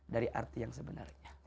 dari arti yang sebenarnya